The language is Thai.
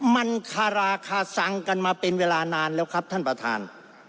มันคาราคาซังกันมาเป็นเวลานานแล้วครับท่านประธาน